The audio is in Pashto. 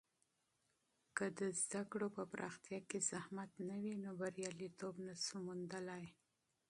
که د علم په پراختیا کې زحمت نه وي، نو بریالیتوب نسو موندلی.